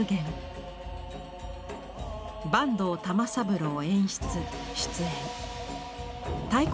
坂東玉三郎演出出演太鼓